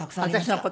私の事？